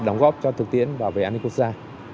đóng góp cho thực tiễn và về an ninh quốc gia